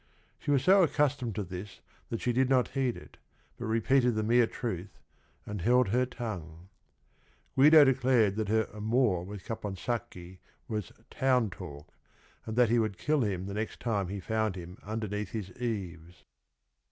She was so accus tomed to this that she did not heed it, but repeated the mere truth and held her tongue. Guido de clared that her amour with Caponsacchi was "town talk" — and that he would kill him the next time he found him underneath his eaves.